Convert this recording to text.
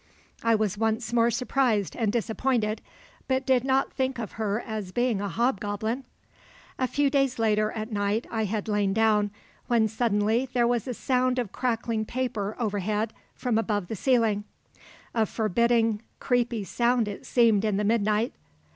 I was once more surprised and disappointed, but did not think of her being a hobgoblin. "A few days later, at night, I had lain down, when suddenly there was a sound of crackling paper overhead from above the ceiling. A forbidding, creepy sound it seemed in the midnight.